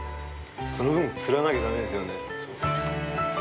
その分釣らなきゃダメですよね。